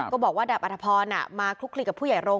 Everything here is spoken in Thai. ก็บอกว่าดาบอัธพรมาคลุกคลีกับผู้ใหญ่โรง